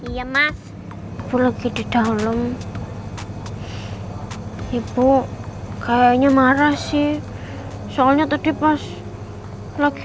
iya mas pulang gitu dalam ibu kayaknya marah sih soalnya tadi pas lagi